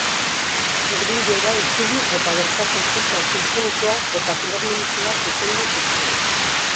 Madrilera itzuli eta bertako Orkestra Sinfonikoa eta Filarmonikoa zuzendu zituen.